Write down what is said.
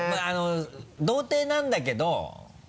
童貞なんだけど。